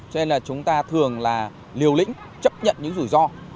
cho nên là chúng ta thường là liều lĩnh chấp nhận những rủi ro